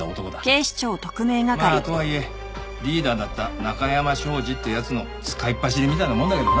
まあとはいえリーダーだった中山昭二って奴の使いっ走りみたいなもんだけどな。